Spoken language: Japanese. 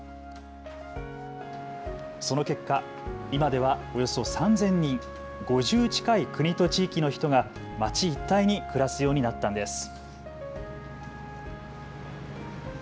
その結果、今ではおよそ３０００人、５０近い国と地域の人が町一帯に暮らすようになったんです。